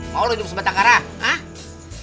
mau lo hidup sebatang arah hah